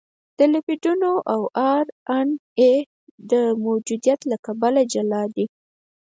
د لیپیدونو او ار ان اې د موجودیت له کبله جلا دي.